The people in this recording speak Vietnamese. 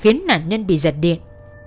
khiến nạn nhân bị giật điện